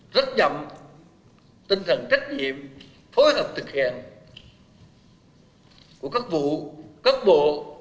rất nhậm tinh thần trách nhiệm phối hợp thực hiện của các vụ các bộ